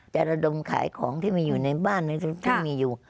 ระดมขายของที่มีอยู่ในบ้านที่มีอยู่